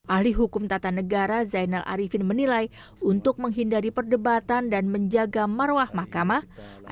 ahli hukum tata negara zainal arifin menilai untuk menghindari perdebatan dan menjaga marwah mahkamah